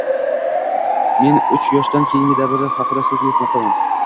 - men uch yoshdan keyingi davr haqida so‘z yuritmoqdaman.